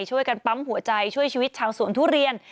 ช่วยกันปั๊มหัวใจช่วยชีวิตชาวสวนทุเรียน